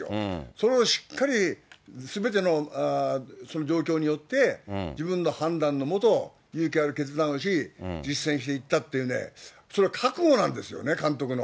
それをしっかりすべてのその状況によって、自分の判断の下、勇気ある決断をし、実践していったっていうね、それは覚悟なんですよね、監督の。